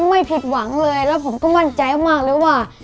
ไม่ผิดหวังเลยแล้วผมก็มั่นใจมากเลยว่า